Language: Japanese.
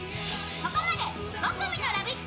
ここまで５組のラヴィット！